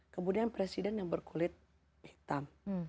kemudian presiden yang berkulit hitam